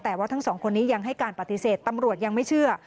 แต่ว่าทั้งสองคนนี้ยังให้การปฏิเสธตำรวจยังไม่เชื่อ